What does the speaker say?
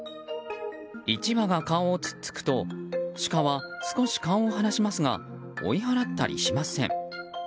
１羽が顔を突っつくとシカは少し顔を離しますが追い払ったりしません。